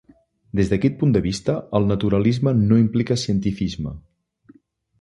Des d'aquest punt de vista, el naturalisme no implica cientifisme.